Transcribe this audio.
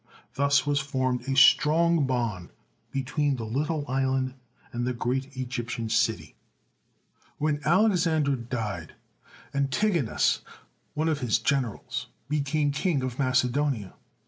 Thus was formed a strong bond be tween the little island and the great Egyptian city. THE COLOSSUS OF RHODES 159 When Alexander died, Antigonus, one of his generals, became King of Macedonia.